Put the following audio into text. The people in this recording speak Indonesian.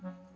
ya ya gak